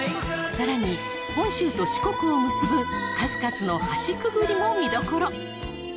さらに本州と四国を結ぶ数々の橋くぐりも見どころ